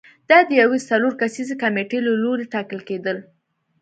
دا د یوې څلور کسیزې کمېټې له لوري ټاکل کېدل